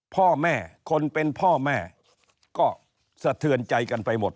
พ่อแม่คนเป็นพ่อแม่ก็สะเทือนใจกันไปหมด